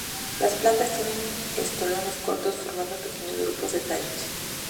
Las plantas tienen estolones cortos formando pequeños grupos de tallos.